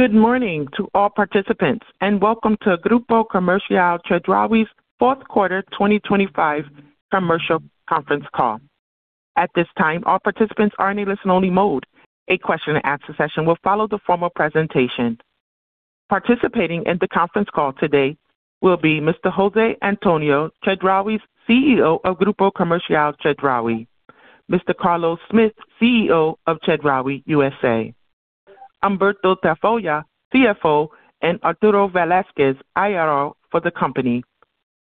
Good morning to all participants, and welcome to Grupo Comercial Chedraui's Fourth Quarter 2025 Commercial Conference Call. At this time, all participants are in a listen-only mode. A question-and-answer session will follow the formal presentation. Participating in the conference call today will be Mr. José Antonio Chedraui, CEO of Grupo Comercial Chedraui, Mr. Carlos Smith, CEO of Chedraui USA, Humberto Tafolla, CFO, and Arturo Velazquez, IR for the company.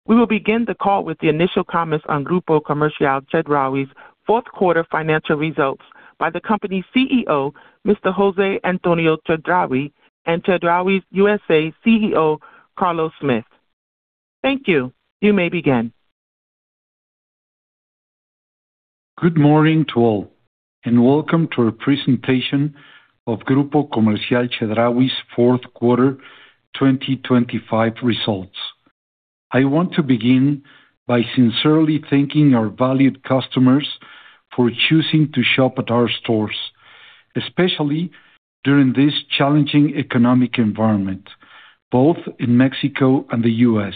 We will begin the call with the initial comments on Grupo Comercial Chedraui's fourth quarter financial results by the company's CEO, Mr. José Antonio Chedraui, and Chedraui USA CEO, Carlos Smith. Thank you. You may begin. Good morning to all, and welcome to our presentation of Grupo Comercial Chedraui's Fourth Quarter 2025 Results. I want to begin by sincerely thanking our valued customers for choosing to shop at our stores, especially during this challenging economic environment, both in Mexico and the U.S.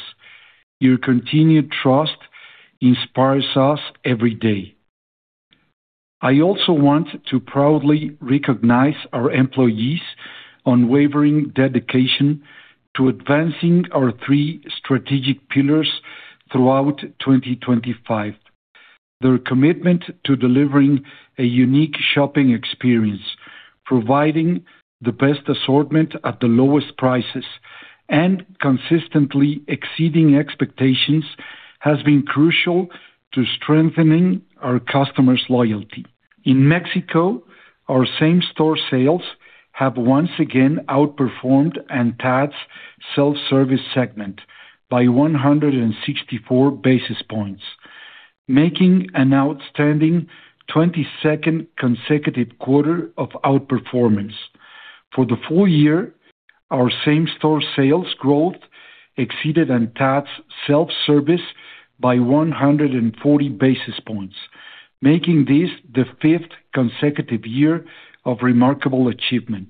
Your continued trust inspires us every day. I also want to proudly recognize our employees' unwavering dedication to advancing our three strategic pillars throughout 2025. Their commitment to delivering a unique shopping experience, providing the best assortment at the lowest prices, and consistently exceeding expectations has been crucial to strengthening our customers' loyalty. In Mexico, our same-store sales have once again outperformed ANTAD's self-service segment by 164 basis points, making an outstanding 22 consecutive quarter of outperformance. For the full year, our same-store sales growth exceeded ANTAD's self-service by 140 basis points, making this the fifth consecutive year of remarkable achievement.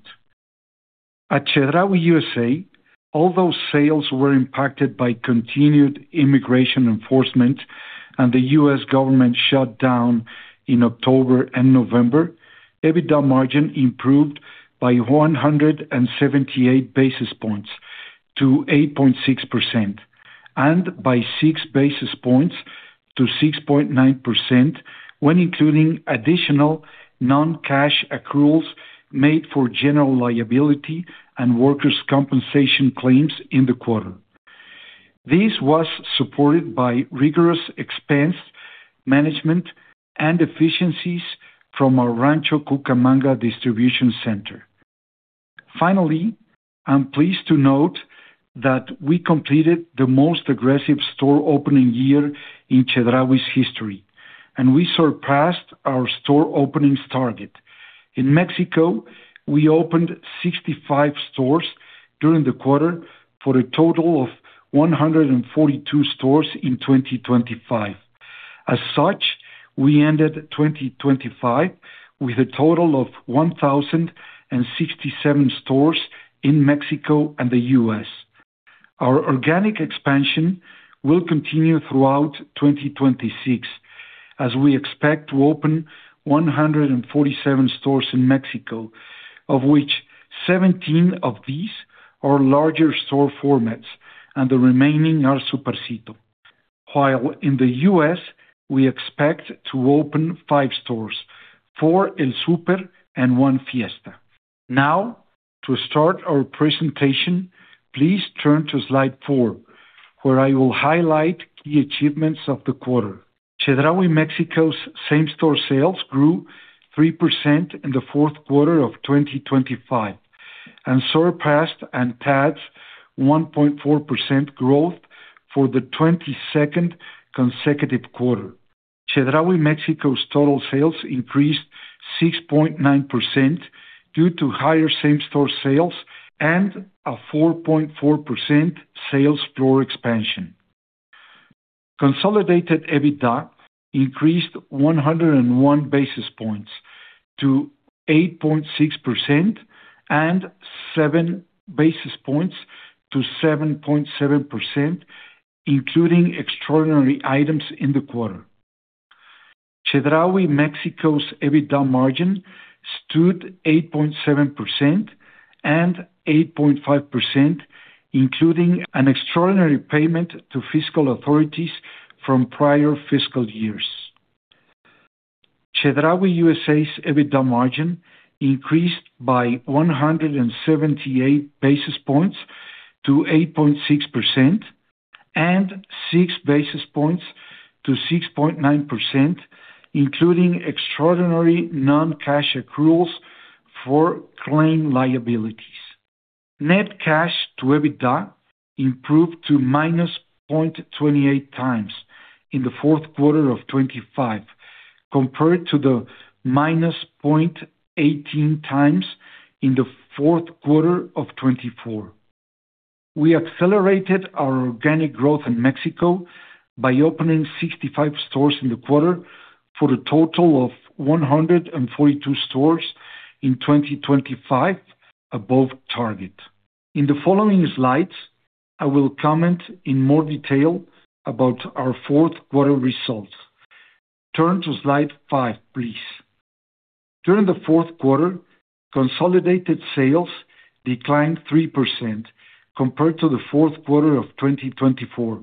At Chedraui USA, although sales were impacted by continued immigration enforcement and the U.S. government shutdown in October and November, EBITDA margin improved by 178 basis points to 8.6% and by six basis points to 6.9% when including additional non-cash accruals made for general liability and workers' compensation claims in the quarter. This was supported by rigorous expense management and efficiencies from our Rancho Cucamonga distribution center. I'm pleased to note that we completed the most aggressive store opening year in Chedraui's history, and we surpassed our store openings target. In Mexico, we opened 65 stores during the quarter for a total of 142 stores in 2025. As such, we ended 2025 with a total of 1,067 stores in Mexico and the U.S. Our organic expansion will continue throughout 2026, as we expect to open 147 stores in Mexico, of which 17 of these are larger store formats and the remaining are Supercito. While in the U.S., we expect to open five stores, four El Super and one Fiesta. To start our presentation, please turn to slide four, where I will highlight key achievements of the quarter. Chedraui Mexico's same-store sales grew 3% in the 4th quarter of 2025 and surpassed ANTAD's 1.4% growth for the 22nd consecutive quarter. Chedraui Mexico's total sales increased 6.9% due to higher same-store sales and a 4.4% sales floor expansion. Consolidated EBITDA increased 101 basis points to 8.6% and seven basis points to 7.7%, including extraordinary items in the quarter. Chedraui Mexico's EBITDA margin stood 8.7% and 8.5%, including an extraordinary payment to fiscal authorities from prior fiscal years. Chedraui USA's EBITDA margin increased by 178 basis points to 8.6% and 6 basis points to 6.9%, including extraordinary non-cash accruals for claim liabilities. Net cash to EBITDA improved to -0.28 times in the fourth quarter of 2025, compared to the -0.18 times in the fourth quarter of 2024. We accelerated our organic growth in Mexico by opening 65 stores in the quarter, for a total of 142 stores in 2025, above target. In the following slides, I will comment in more detail about our fourth quarter results. Turn to slide five, please. During the fourth quarter, consolidated sales declined 3% compared to the fourth quarter of 2024,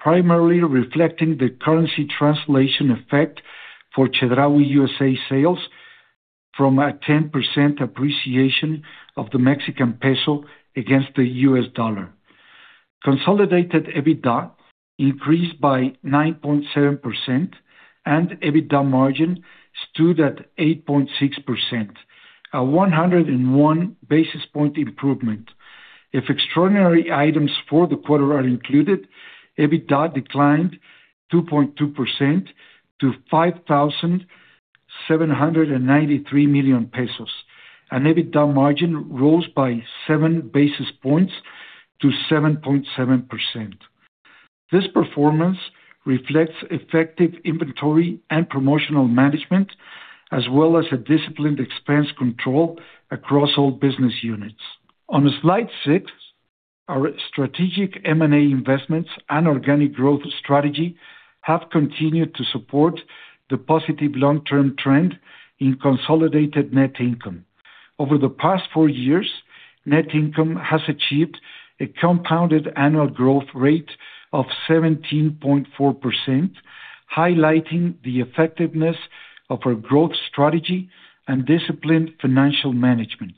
primarily reflecting the currency translation effect for Chedraui USA sales from a 10% appreciation of the Mexican peso against the US dollar. Consolidated EBITDA increased by 9.7%, and EBITDA margin stood at 8.6%, a 101 basis point improvement. If extraordinary items for the quarter are included, EBITDA declined 2.2% to 5,793 million pesos, and EBITDA margin rose by seven basis points to 7.7%. This performance reflects effective inventory and promotional management, as well as a disciplined expense control across all business units. On slide six, our strategic M&A investments and organic growth strategy have continued to support the positive long-term trend in consolidated net income. Over the past four years, net income has achieved a compounded annual growth rate of 17.4%, highlighting the effectiveness of our growth strategy and disciplined financial management.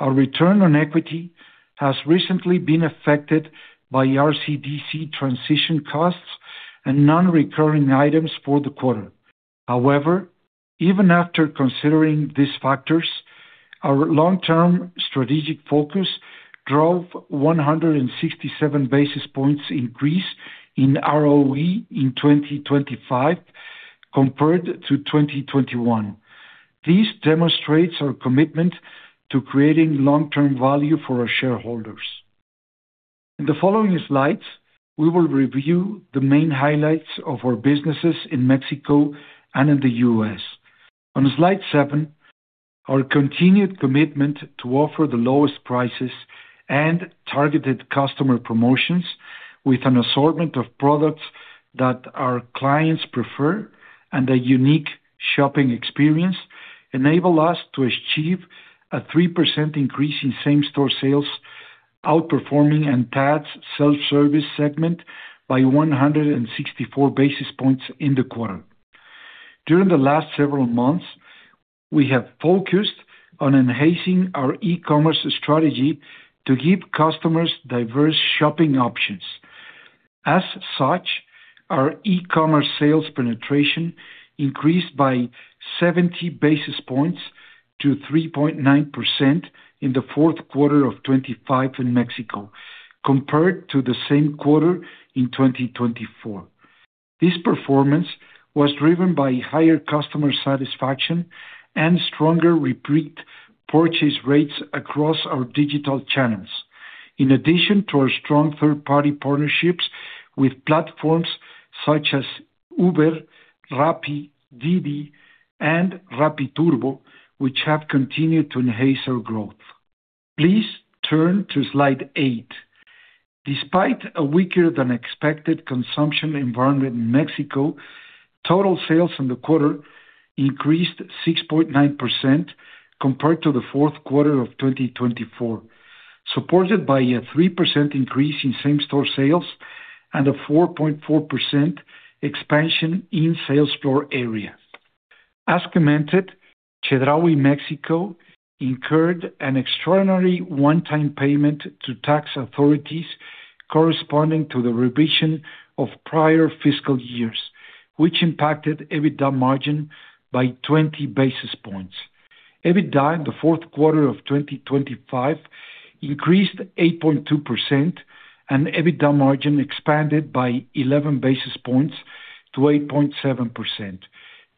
Our return on equity has recently been affected by RCDC transition costs and non-recurring items for the quarter. Even after considering these factors, our long-term strategic focus drove 167 basis points increase in ROE in 2025 compared to 2021. This demonstrates our commitment to creating long-term value for our shareholders. In the following slides, we will review the main highlights of our businesses in Mexico and in the U.S. On slide seven, our continued commitment to offer the lowest prices and targeted customer promotions with an assortment of products that our clients prefer, and a unique shopping experience, enable us to achieve a 3% increase in same-store sales, outperforming ANTAD's self-service segment by 164 basis points in the quarter. During the last several months, we have focused on enhancing our e-commerce strategy to give customers diverse shopping options. As such, our e-commerce sales penetration increased by 70 basis points to 3.9% in the fourth quarter of 2025 in Mexico, compared to the same quarter in 2024. This performance was driven by higher customer satisfaction and stronger repeat purchase rates across our digital channels. In addition to our strong third-party partnerships with platforms such as Uber, Rappi, Didi, and Rappi Turbo, which have continued to enhance our growth. Please turn to slide eight. Despite a weaker-than-expected consumption environment in Mexico, total sales in the quarter increased 6.9% compared to the fourth quarter of 2024, supported by a 3% increase in same-store sales and a 4.4% expansion in sales floor area. As commented, Chedraui Mexico incurred an extraordinary one-time payment to tax authorities corresponding to the revision of prior fiscal years, which impacted EBITDA margin by 20 basis points. EBITDA in the fourth quarter of 2025 increased 8.2%, and EBITDA margin expanded by 11 basis points to 8.7%,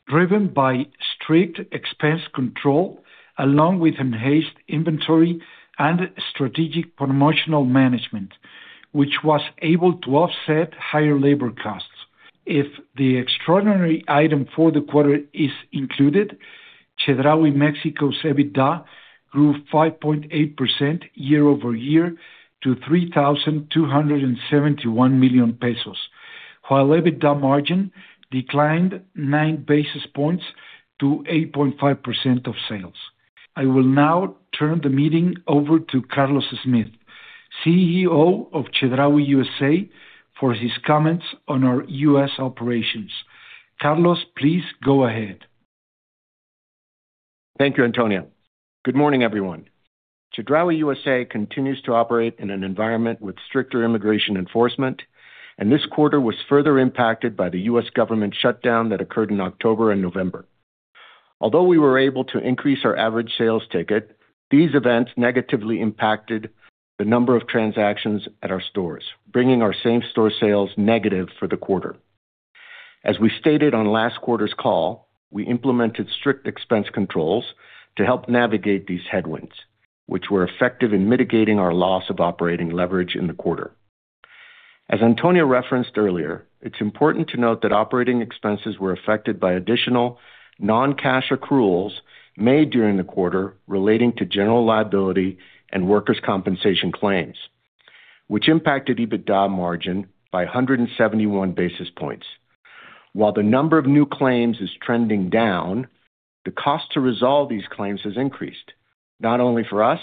driven by strict expense control, along with enhanced inventory and strategic promotional management, which was able to offset higher labor costs. If the extraordinary item for the quarter is included, Chedraui Mexico's EBITDA grew 5.8% year-over-year to 3,271 million pesos, while EBITDA margin declined nine basis points to 8.5% of sales. I will now turn the meeting over to Carlos Smith, CEO of Chedraui USA, for his comments on our U.S. operations. Carlos, please go ahead. Thank you, Antonio. Good morning, everyone. Chedraui USA continues to operate in an environment with stricter immigration enforcement. This quarter was further impacted by the U.S. government shutdown that occurred in October and November. Although we were able to increase our average sales ticket, these events negatively impacted the number of transactions at our stores, bringing our same-store sales negative for the quarter. As we stated on last quarter's call, we implemented strict expense controls to help navigate these headwinds, which were effective in mitigating our loss of operating leverage in the quarter. As Antonio referenced earlier, it's important to note that operating expenses were affected by additional non-cash accruals made during the quarter relating to general liability and workers' compensation claims, which impacted EBITDA margin by 171 basis points. While the number of new claims is trending down, the cost to resolve these claims has increased, not only for us,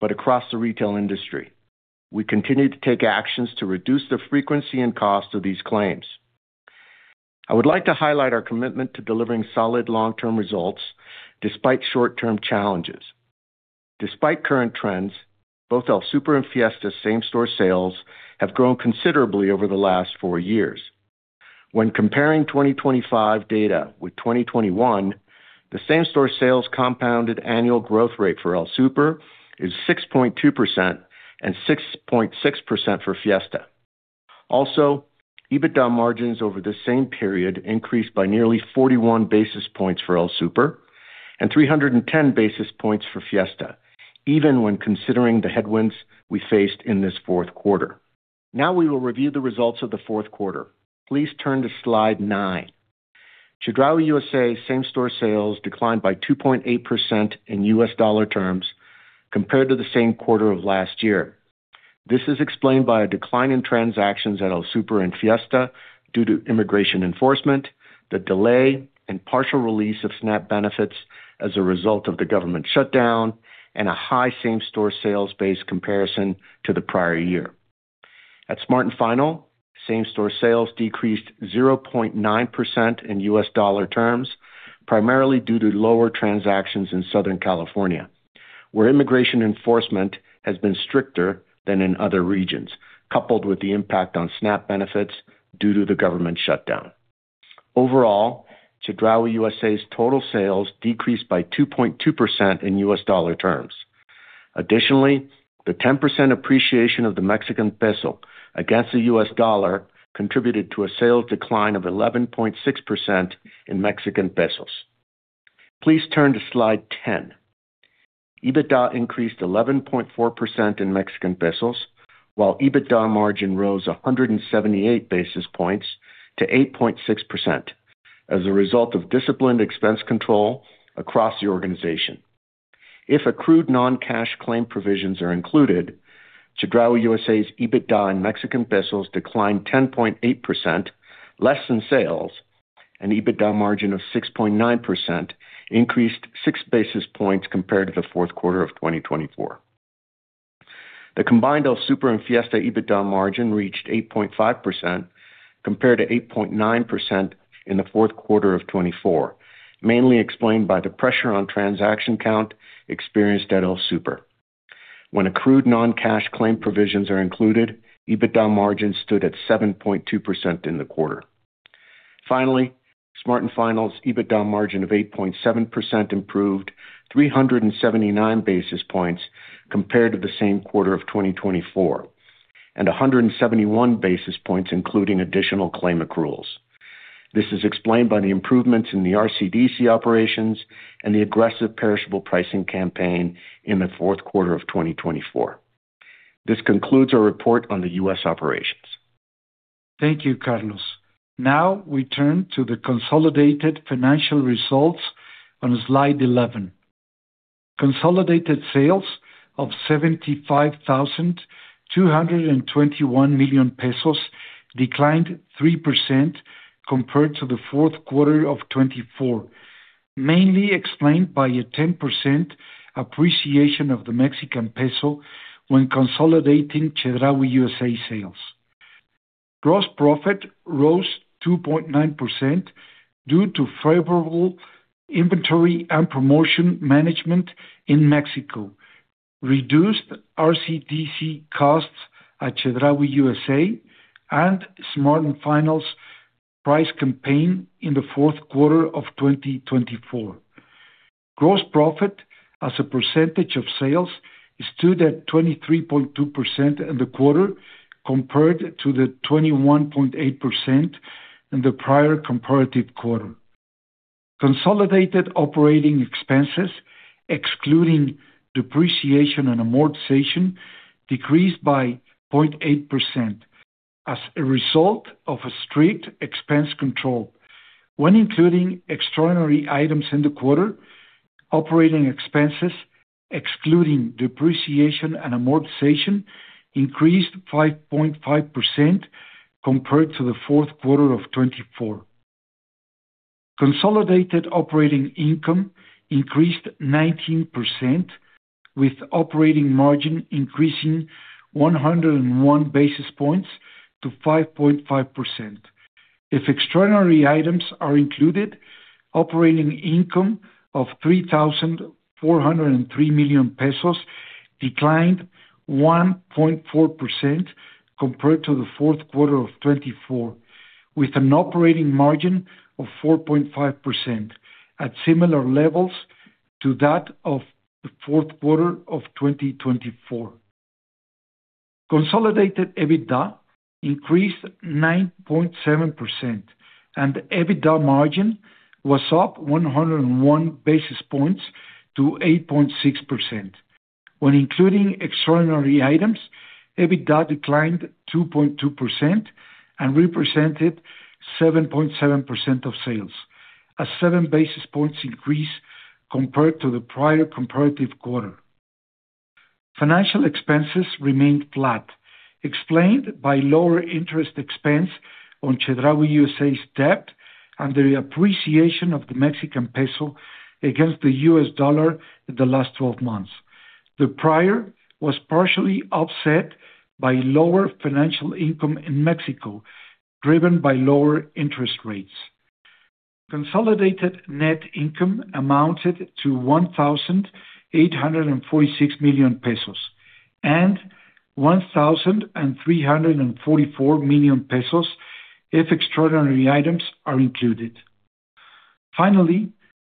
but across the retail industry. We continue to take actions to reduce the frequency and cost of these claims. I would like to highlight our commitment to delivering solid long-term results despite short-term challenges. Despite current trends, both El Super and Fiesta same-store sales have grown considerably over the last four years. When comparing 2025 data with 2021, the same-store sales compounded annual growth rate for El Super is 6.2% and 6.6% for Fiesta. EBITDA margins over the same period increased by nearly 41 basis points for El Super and 310 basis points for Fiesta, even when considering the headwinds we faced in this fourth quarter. We will review the results of the fourth quarter. Please turn to slide nine. Chedraui USA same-store sales declined by 2.8% in US dollar terms compared to the same quarter of last year. This is explained by a decline in transactions at El Super and Fiesta due to immigration enforcement, the delay and partial release of SNAP benefits as a result of the government shutdown, and a high same-store sales base comparison to the prior year. At Smart & Final, same-store sales decreased 0.9% in U.S. dollar terms, primarily due to lower transactions in Southern California, where immigration enforcement has been stricter than in other regions, coupled with the impact on SNAP benefits due to the government shutdown. Overall, Chedraui USA's total sales decreased by 2.2% in US dollar terms. Additionally, the 10% appreciation of the Mexican peso against the US dollar contributed to a sales decline of 11.6% in MXN. Please turn to slide 10. EBITDA increased 11.4% in MXN, while EBITDA margin rose 178 basis points to 8.6% as a result of disciplined expense control across the organization. If accrued non-cash claim provisions are included, Chedraui USA's EBITDA in MXN declined 10.8%, less than sales, and EBITDA margin of 6.9% increased six basis points compared to the fourth quarter of 2024. The combined El Super and Fiesta EBITDA margin reached 8.5%, compared to 8.9% in the fourth quarter of 2024, mainly explained by the pressure on transaction count experienced at El Super. When accrued non-cash claim provisions are included, EBITDA margin stood at 7.2% in the quarter. Smart & Final's EBITDA margin of 8.7% improved 379 basis points compared to the same quarter of 2024, and 171 basis points, including additional claim accruals. This is explained by the improvements in the RCDC operations and the aggressive perishable pricing campaign in the fourth quarter of 2024. This concludes our report on the U.S. operations. Thank you, Carlos. We turn to the consolidated financial results on slide 11. Consolidated sales of 75,221 million pesos declined 3% compared to the fourth quarter of 2024, mainly explained by a 10% appreciation of the Mexican peso when consolidating Chedraui USA sales. Gross profit rose 2.9% due to favorable inventory and promotion management in Mexico, reduced RCDC costs at Chedraui USA, and Smart & Final's price campaign in the fourth quarter of 2024. Gross profit, as a percentage of sales, stood at 23.2% in the quarter, compared to the 21.8% in the prior comparative quarter. Consolidated operating expenses, excluding depreciation and amortization, decreased by 0.8% as a result of a strict expense control. When including extraordinary items in the quarter, operating expenses, excluding depreciation and amortization, increased 5.5% compared to the fourth quarter of 2024. Consolidated operating income increased 19%, with operating margin increasing 101 basis points to 5.5%. If extraordinary items are included, operating income of 3,403 million pesos declined 1.4% compared to the fourth quarter of 2024, with an operating margin of 4.5% at similar levels to that of the fourth quarter of 2024. consolidated EBITDA increased 9.7%, and the EBITDA margin was up 101 basis points to 8.6%. When including extraordinary items, EBITDA declined 2.2% and represented 7.7% of sales, a 7 basis points increase compared to the prior comparative quarter. Financial expenses remained flat, explained by lower interest expense on Chedraui USA's debt and the appreciation of the Mexican peso against the US dollar in the last 12 months. The prior was partially offset by lower financial income in Mexico, driven by lower interest rates. Consolidated net income amounted to 1,846 million pesos, and 1,344 million pesos if extraordinary items are included. Finally,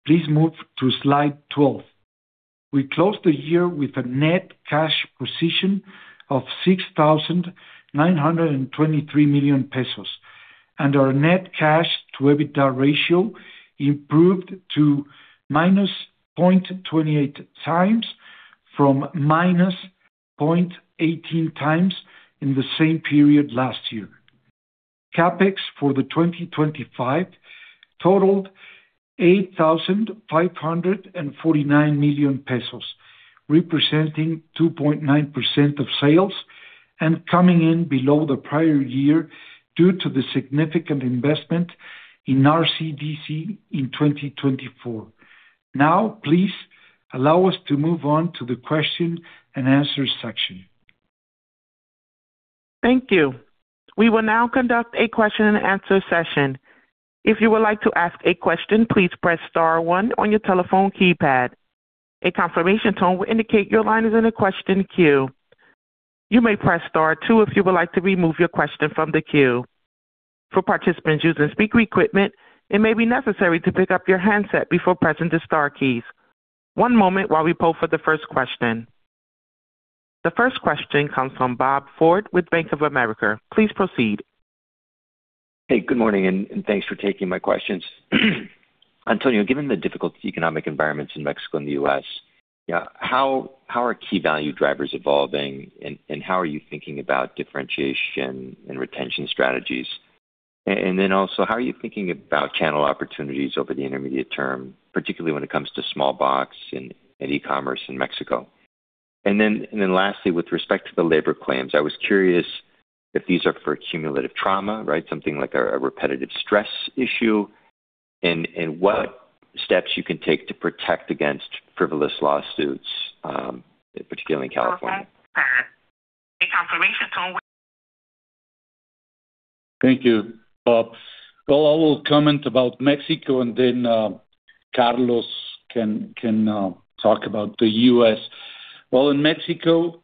please move to slide 12. We closed the year with a net cash position of 6,923 million pesos, and our net cash to EBITDA ratio improved to -0.28 times from -0.18 times in the same period last year. CapEx for the 2025 totaled MXN 8,549 million, representing 2.9% of sales and coming in below the prior year due to the significant investment in RCDC in 2024. Now, please allow us to move on to the question and answer section. Thank you. We will now conduct a question-and-answer session. If you would like to ask a question, please press star one on your telephone keypad. A confirmation tone will indicate your line is in the question queue. You may press star two if you would like to remove your question from the queue. For participants using speaker equipment, it may be necessary to pick up your handset before pressing the star keys. One moment while we poll for the first question. The first question comes from Robert Ford with Bank of America. Please proceed. Hey, good morning, and thanks for taking my questions. Antonio, given the difficult economic environments in Mexico and the U.S., how are key value drivers evolving, and how are you thinking about differentiation and retention strategies? Also, how are you thinking about channel opportunities over the intermediate term, particularly when it comes to small box and e-commerce in Mexico? Lastly, with respect to the labor claims, I was curious if these are for cumulative trauma, right? Something like a repetitive stress issue, and what steps you can take to protect against frivolous lawsuits, particularly in California? A confirmation tone will Thank you, Bob. I will comment about Mexico, and then Carlos can talk about the U.S. In Mexico,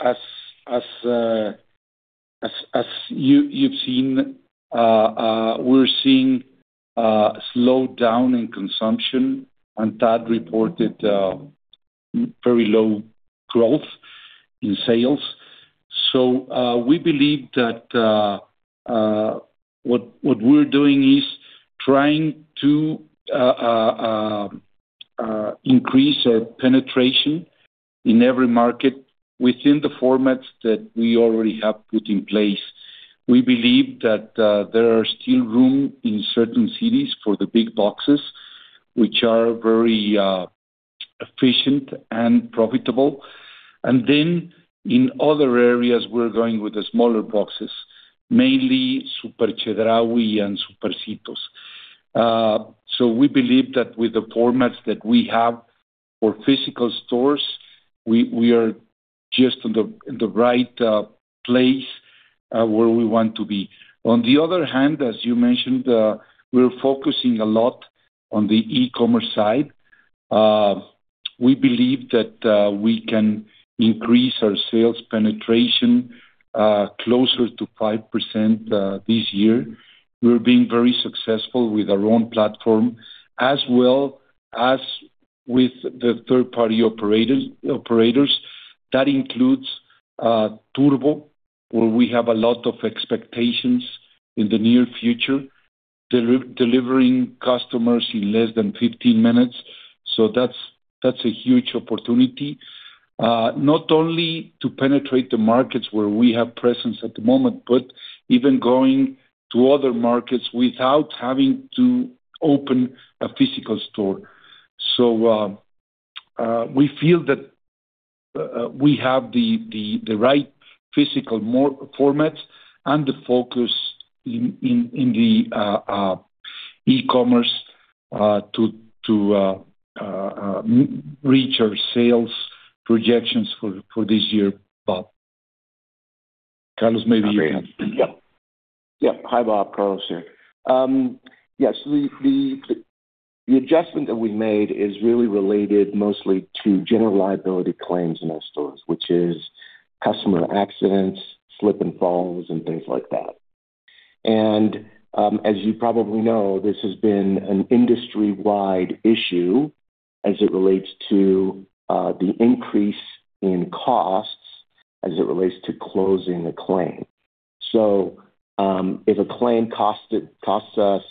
as you've seen, we're seeing a slowdown in consumption, that reported very low growth in sales. We believe that what we're doing is trying to increase our penetration in every market within the formats that we already have put in place. We believe that there are still room in certain cities for the big boxes, which are very efficient and profitable. In other areas, we're going with the smaller boxes, mainly Súper Chedraui and Supercito. We believe that with the formats that we have for physical stores, we are just on the right place where we want to be. On the other hand, as you mentioned, we're focusing a lot on the e-commerce side. We believe that we can increase our sales penetration closer to 5% this year. We're being very successful with our own platform, as well as with the third-party operators. That includes Turbo, where we have a lot of expectations in the near future, delivering customers in less than 15 minutes. That's a huge opportunity not only to penetrate the markets where we have presence at the moment, but even going to other markets without having to open a physical store. We feel that we have the right physical formats and the focus in the e-commerce to reach our sales projections for this year, Bob. Carlos, maybe you can. Yeah. Yeah. Hi, Bob, Carlos here. Yes, the adjustment that we made is really related mostly to general liability claims in our stores, which is customer accidents, slip and falls, and things like that. As you probably know, this has been an industry-wide issue as it relates to the increase in costs, as it relates to closing a claim. If a claim costs us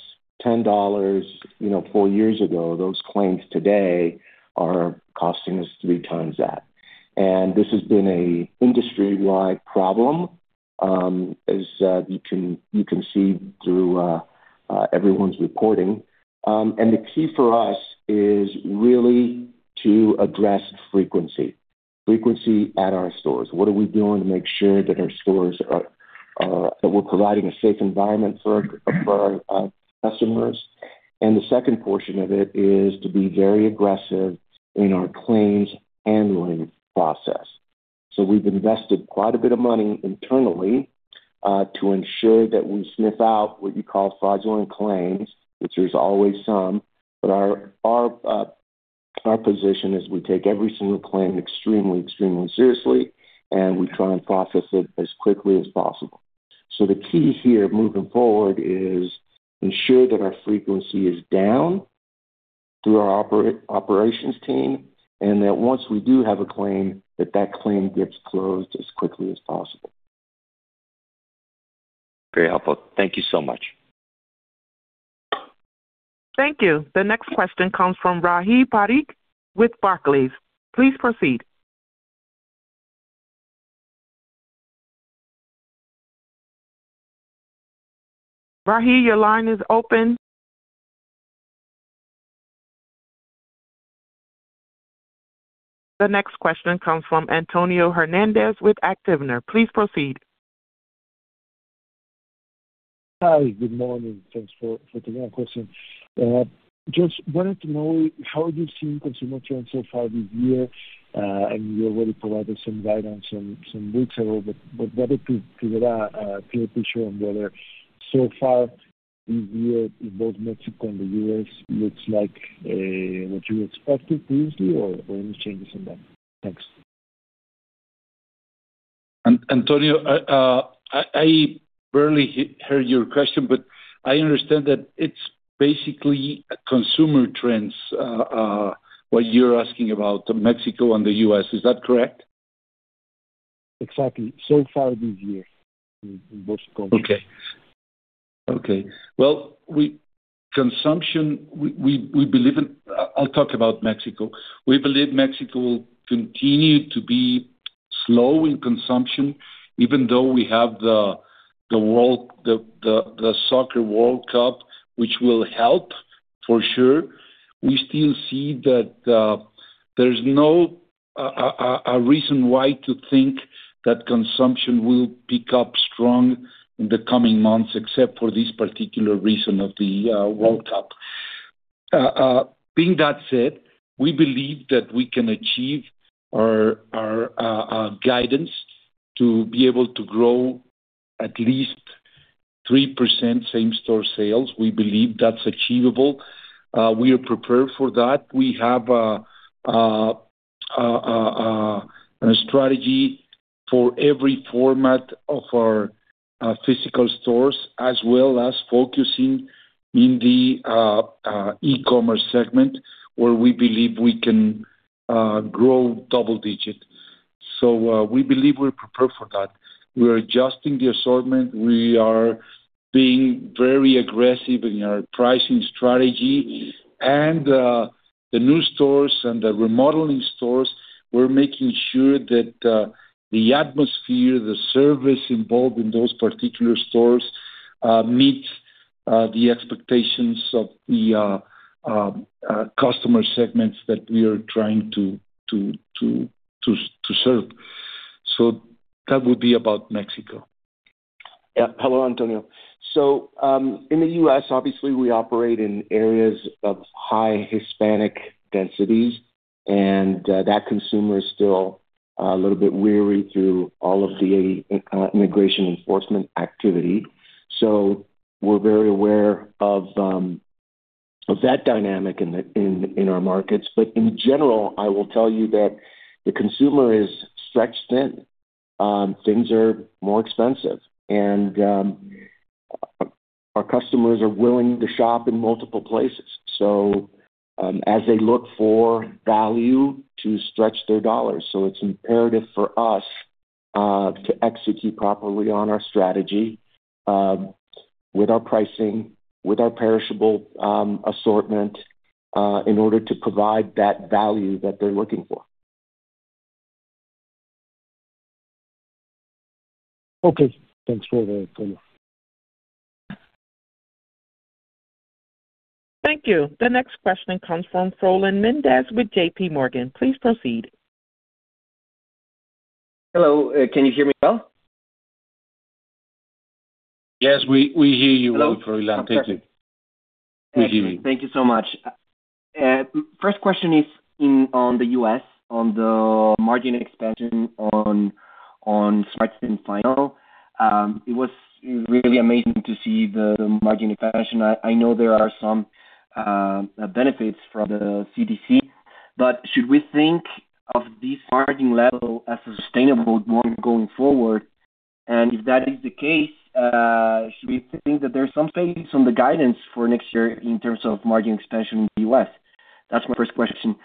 $10, you know, four years ago, those claims today are costing us 3 times that. This has been an industry-wide problem, as you can see through everyone's reporting. The key for us is really to address frequency at our stores. What are we doing to make sure that our stores are providing a safe environment for our customers? The second portion of it is to be very aggressive in our claims handling process. We've invested quite a bit of money internally to ensure that we sniff out what you call fraudulent claims, which there's always some, but our position is we take every single claim extremely seriously, and we try and process it as quickly as possible. The key here, moving forward, is ensure that our frequency is down through our operations team, and that once we do have a claim, that claim gets closed as quickly as possible. Very helpful. Thank you so much. Thank you. The next question comes from Benjamin Theurer with Barclays. Please proceed. Rahi, your line is open. The next question comes from Antonio Hernández with Actinver. Please proceed. Hi, good morning. Thanks for taking my question. Just wanted to know how you've seen consumer trends so far this year, you already provided some guidance some weeks ago, but whether to give a clear picture on whether so far this year, in both Mexico and the U.S., looks like what you expected previously or any changes in that? Thanks. Antonio, I barely heard your question, but I understand that it's basically consumer trends, what you're asking about, Mexico and the U.S. Is that correct? Exactly. So far this year, in both countries. Okay. Okay. Well, consumption, we believe in I'll talk about Mexico. We believe Mexico will continue to be slow in consumption, even though we have the Soccer World Cup, which will help, for sure. We still see that there's no reason why to think that consumption will pick up strong in the coming months, except for this particular reason of the World Cup. Being that said, we believe that we can achieve our guidance to be able to grow at least 3% same store sales. We believe that's achievable. We are prepared for that. We have a strategy for every format of our physical stores, as well as focusing in the e-commerce segment, where we believe we can grow double digit. We believe we're prepared for that. We are adjusting the assortment. We are being very aggressive in our pricing strategy. The new stores and the remodeling stores, we're making sure that the atmosphere, the service involved in those particular stores meets the expectations of the customer segments that we are trying to serve. That would be about Mexico. Yeah. Hello, Antonio. In the US, obviously, we operate in areas of high Hispanic densities, and that consumer is still a little bit wary through all of the immigration enforcement activity. We're very aware of that dynamic in our markets. In general, I will tell you that the consumer is stretched thin. Things are more expensive, and our customers are willing to shop in multiple places. As they look for value to stretch their dollars. It's imperative for us to execute properly on our strategy, with our pricing, with our perishable assortment, in order to provide that value that they're looking for. Okay. Thanks for that Carlos,. Thank you. The next question comes from Rogelio Garza with JPMorgan. Please proceed. Hello, can you hear me well? Yes, we hear you well, Rogelio. Thank you. We hear you. Thank you so much. First question is in, on the U.S., on the margin expansion on Smart & Final. It was really amazing to see the margin expansion. I know there are some benefits from the RCDC. Should we think of this margin level as a sustainable one going forward? If that is the case, should we think that there's some guidance for next year in terms of margin expansion in the U.S.? That's my first question.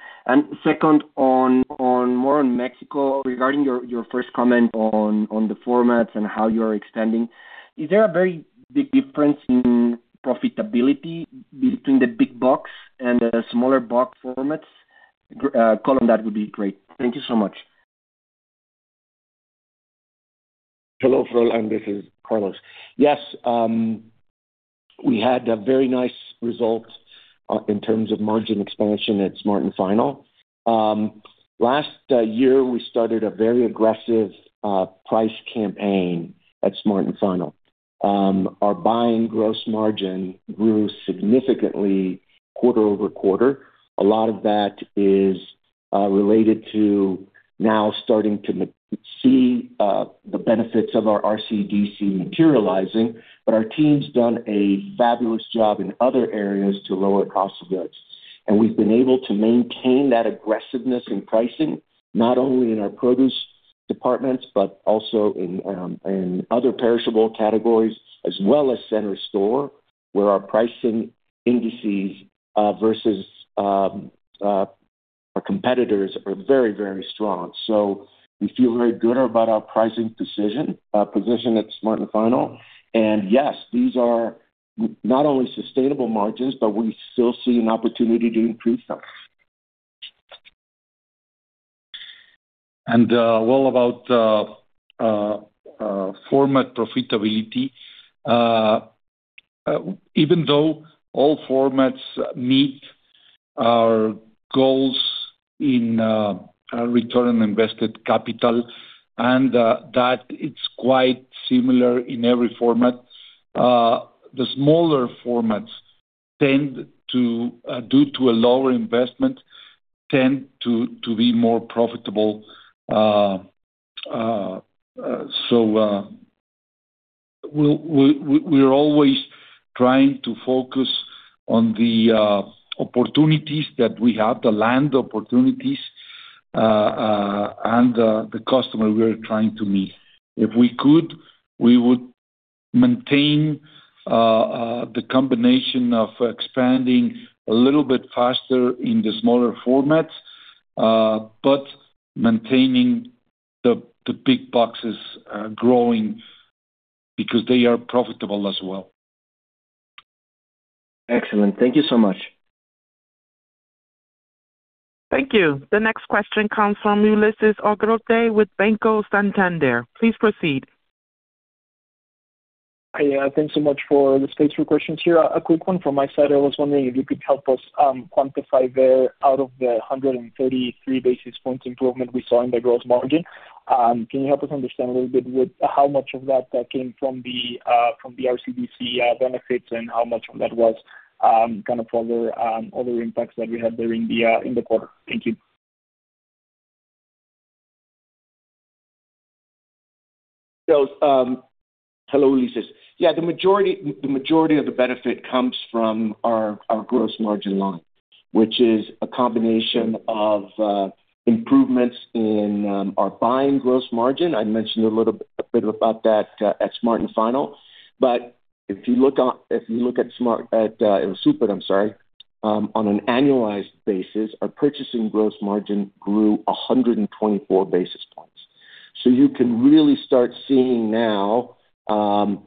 Second, on more on Mexico, regarding your first comment on the formats and how you are extending. Is there a very big difference in profitability between the big box and the smaller box formats? Carlos, that would be great. Thank you so much. Hello, Rogeliod, this is Carlos. Yes, we had a very nice result in terms of margin expansion at Smart & Final. Last year, we started a very aggressive price campaign at Smart & Final. Our buying gross margin grew significantly quarter-over-quarter. A lot of that is related to now starting to see the benefits of our RCDC materializing, but our team's done a fabulous job in other areas to lower cost of goods. We've been able to maintain that aggressiveness in pricing, not only in our produce departments, but also in other perishable categories, as well as center store, where our pricing indices versus our competitors are very, very strong. We feel very good about our pricing decision position at Smart & Final. Yes, these are not only sustainable margins, but we still see an opportunity to increase them. Well, about format profitability, even though all formats meet our goals in return on invested capital, and that it's quite similar in every format, the smaller formats tend to, due to a lower investment, tend to be more profitable. We're always trying to focus on the opportunities that we have, the land opportunities, and the customer we are trying to meet. If we could, we would maintain the combination of expanding a little bit faster in the smaller formats, but maintaining the big boxes growing because they are profitable as well. Excellent. Thank you so much. Thank you. The next question comes from Ulises Argote with Banco Santander. Please proceed. Hi, thanks so much for the space for questions here. A quick one from my side. I was wondering if you could help us quantify out of the 133 basis points improvement we saw in the gross margin. Can you help us understand a little bit with how much of that came from the RCDC benefits, and how much of that was kind of other other impacts that we had there in the quarter? Thank you. Hello, Ulises. The majority of the benefit comes from our gross margin line, which is a combination of improvements in our buying gross margin. I mentioned a little bit about that at Smart & Final. If you look at Smart, at Super, I'm sorry, on an annualized basis, our purchasing gross margin grew 124 basis points. You can really start seeing now the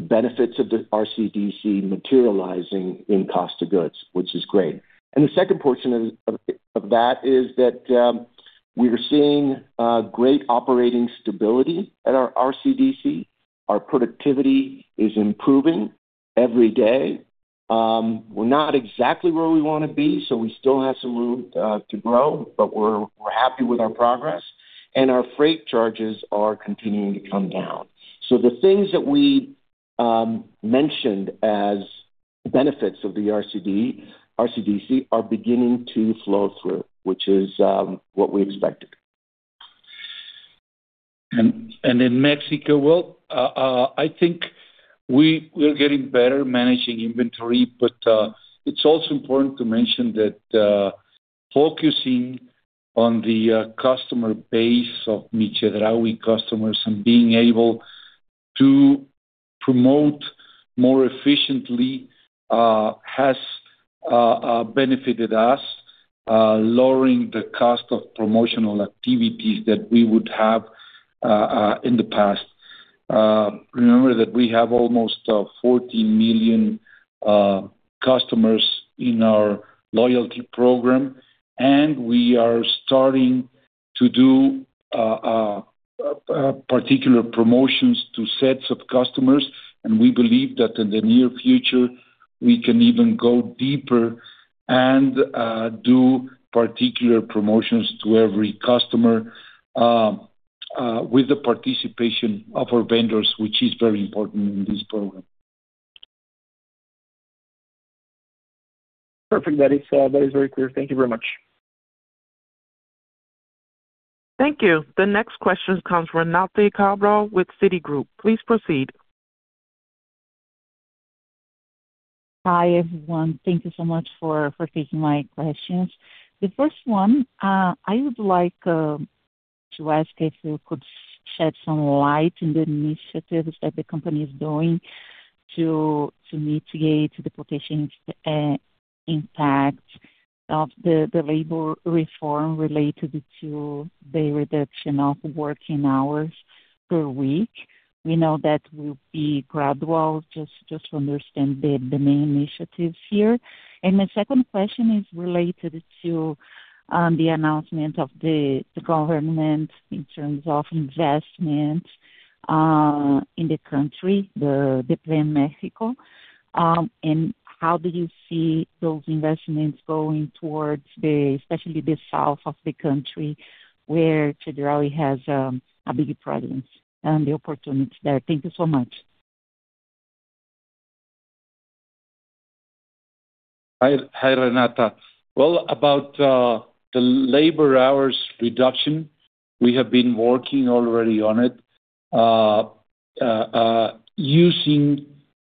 benefits of the RCDC materializing in cost of goods, which is great. The second portion of that is that we are seeing great operating stability at our RCDC. Our productivity is improving every day. We're not exactly where we wanna be. We still have some room to grow, but we're happy with our progress, and our freight charges are continuing to come down. The things that we mentioned as benefits of the RCD, RCDC, are beginning to flow through, which is what we expected. In Mexico, well, I think we're getting better managing inventory, it's also important to mention that focusing on the customer base of Mi Chedraui customers and being able to promote more efficiently has benefited us, lowering the cost of promotional activities that we would have in the past. Remember that we have almost 14 million customers in our loyalty program, and we are starting to do particular promotions to sets of customers, and we believe that in the near future, we can even go deeper and do particular promotions to every customer with the participation of our vendors, which is very important in this program. Perfect. That is, that is very clear. Thank you very much. Thank you. The next question comes from Renata Cabral with Citigroup. Please proceed. Hi, everyone. Thank you so much for taking my questions. The first one, I would like to ask if you could shed some light in the initiatives that the company is doing to mitigate the potential impact of the labor reform related to the reduction of working hours per week. We know that will be gradual, just to understand the main initiatives here. The second question is related to the announcement of the government in terms of investment in the country, the Plan Mexico. How do you see those investments going especially the south of the country, where Chedraui has a big presence and the opportunities there? Thank you so much. Hi, Renata. Well, about the labor hours reduction, we have been working already on it, using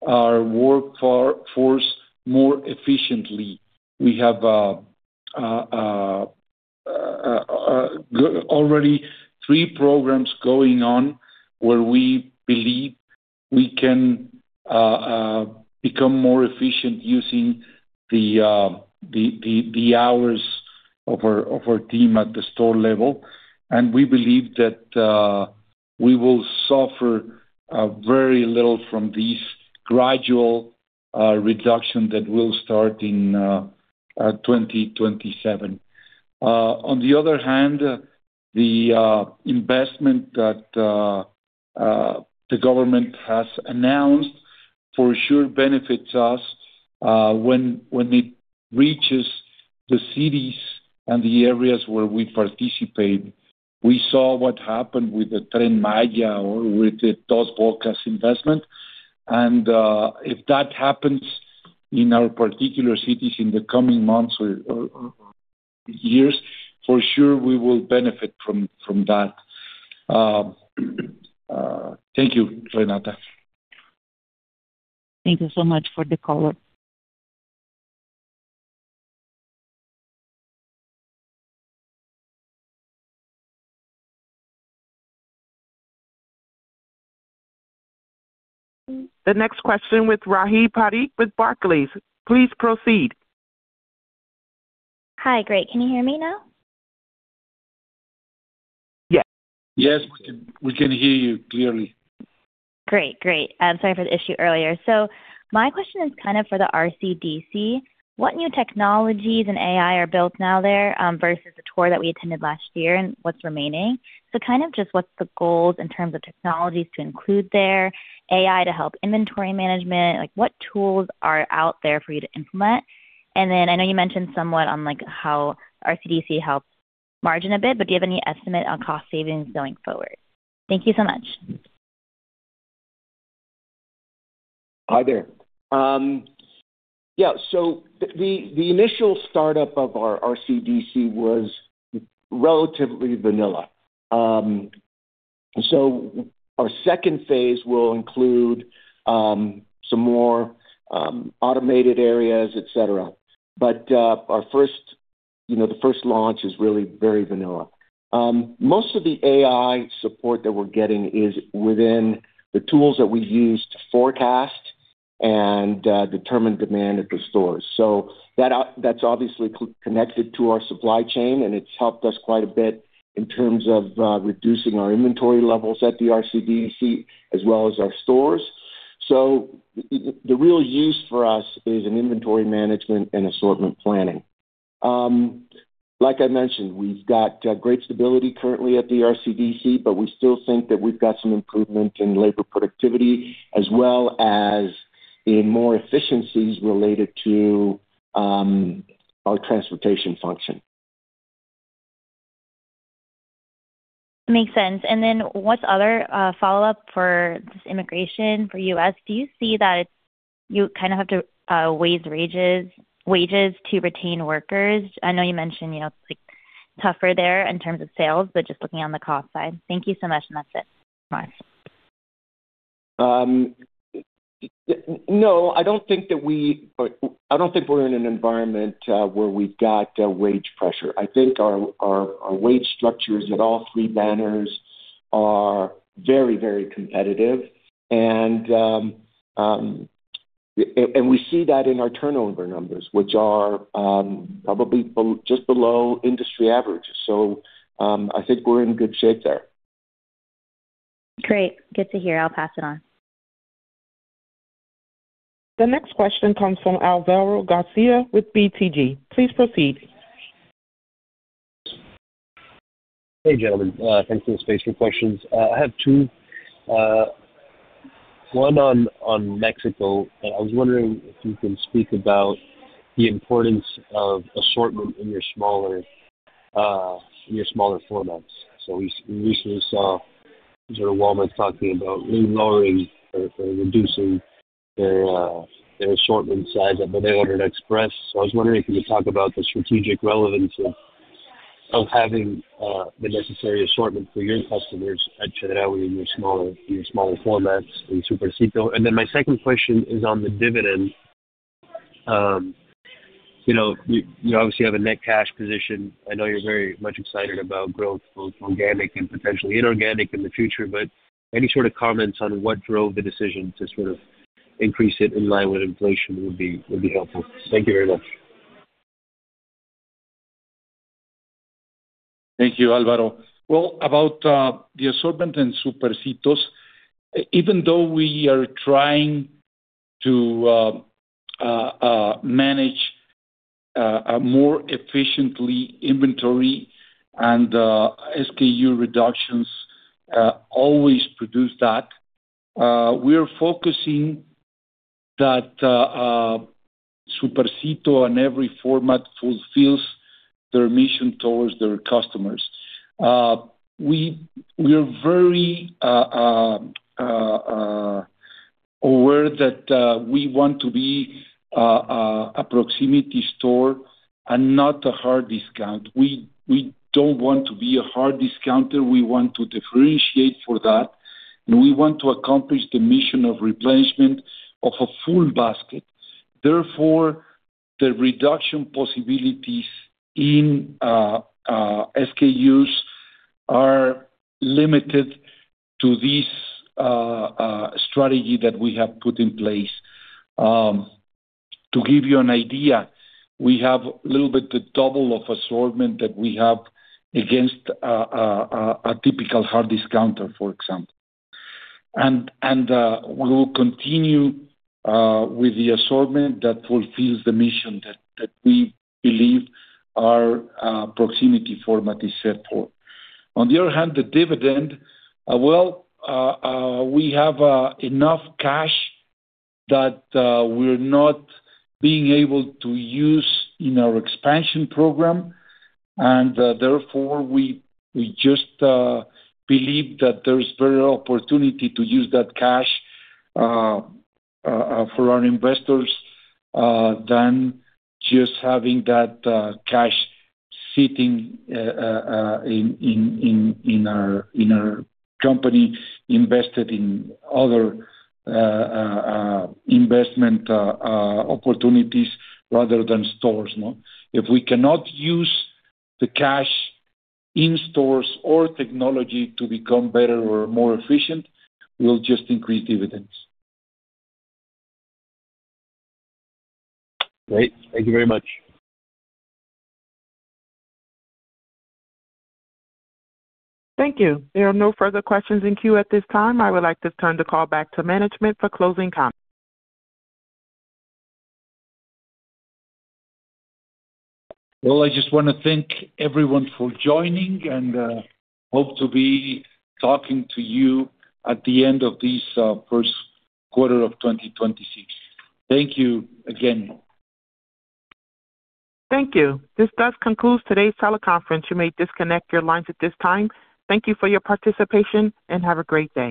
our workforce more efficiently. We have already three programs going on where we believe we can become more efficient using the hours of our team at the store level. We believe that we will suffer very little from this gradual reduction that will start in 2027. On the other hand, the investment that the government has announced for sure benefits us when it reaches the cities and the areas where we participate. We saw what happened with the Tren Maya or with the Dos Bocas investment. If that happens in our particular cities in the coming months or years, for sure, we will benefit from that. Thank you, Renata. Thank you so much for the call. The next question with Benjamin Theurer with Barclays. Please proceed. Hi, great. Can you hear me now? Yes. Yes, we can hear you clearly. Great. Great. Sorry for the issue earlier. My question is kind of for the RCDC. What new technologies and AI are built now there, versus the tour that we attended last year and what's remaining? Kind of just what's the goals in terms of technologies to include there, AI to help inventory management, like what tools are out there for you to implement? Then I know you mentioned somewhat on like how RCDC helps margin a bit, but do you have any estimate on cost savings going forward? Thank you so much. Hi there. The initial startup of our RCDC was relatively vanilla. Our second phase will include some more automated areas, et cetera. Our first, you know, the first launch is really very vanilla. Most of the AI support that we're getting is within the tools that we use to forecast and determine demand at the stores. That's obviously connected to our supply chain, and it's helped us quite a bit in terms of reducing our inventory levels at the RCDC, as well as our stores. The real use for us is in inventory management and assortment planning. Like I mentioned, we've got great stability currently at the RCDC, but we still think that we've got some improvement in labor productivity as well as in more efficiencies related to our transportation function. Makes sense. What's other follow-up for this immigration for U.S.? Do you see that it's, you kind of have to, raise wages to retain workers? I know you mentioned, you know, it's, like, tougher there in terms of sales, but just looking on the cost side. Thank you so much, and that's it. Bye. No, I don't think we're in an environment where we've got wage pressure. I think our wage structures at all three banners are very competitive, and we see that in our turnover numbers, which are probably just below industry average. I think we're in good shape there. Great. Good to hear. I'll pass it on. The next question comes from Alvaro Garcia with BTG. Please proceed. Hey, gentlemen. Thanks for the space for questions. I have two, one on Mexico. I was wondering if you can speak about the importance of assortment in your smaller formats. We recently saw sort of Walmart talking about re-lowering or reducing their assortment size at Bodega and Express. I was wondering if you could talk about the strategic relevance of having the necessary assortment for your customers at Chedraui, in your smaller, your smaller formats in Supercito? My second question is on the dividend. You know, you obviously have a net cash position. I know you're very much excited about growth, both organic and potentially inorganic in the future, but any sort of comments on what drove the decision to sort of increase it in line with inflation would be helpful. Thank you very much. Thank you, Alvaro. Well, about the assortment in Supercito, even though we are trying to manage more efficiently inventory and SKU reductions, always produce that we are focusing that Supercito on every format fulfills their mission towards their customers. We are very aware that we want to be a proximity store and not a hard discount. We don't want to be a hard discounter, we want to differentiate for that, and we want to accomplish the mission of replacement of a full basket. Therefore, the reduction possibilities in SKUs are limited to this strategy that we have put in place. To give you an idea, we have a little bit the double of assortment that we have against a typical hard discounter, for example. We will continue with the assortment that fulfills the mission that we believe our proximity format is set for. On the other hand, the dividend, well, we have enough cash that we're not being able to use in our expansion program, and, therefore, we just believe that there's very opportunity to use that cash for our investors than just having that cash sitting in our company, invested in other investment opportunities rather than stores, no? If we cannot use the cash in stores or technology to become better or more efficient, we'll just increase dividends. Great. Thank you very much. Thank you. There are no further questions in queue at this time. I would like to turn the call back to management for closing comments. Well, I just wanna thank everyone for joining, and hope to be talking to you at the end of this first quarter of 2026. Thank you again. Thank you. This does conclude today's teleconference. You may disconnect your lines at this time. Thank you for your participation. Have a great day.